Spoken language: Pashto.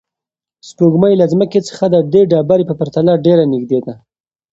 سپوږمۍ له ځمکې څخه د دې ډبرې په پرتله ډېره نږدې ده.